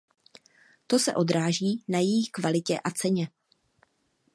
To se odráží na její kvalitě a ceně.